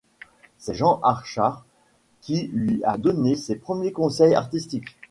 C'est Jean Achard qui lui a donné ses premiers conseils artistiques.